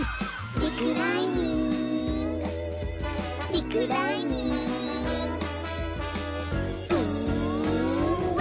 「リクライニング」「リクライニング」ウーワォ！